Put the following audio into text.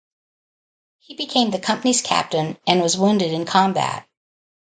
He became the company's Captain, and was wounded in combat.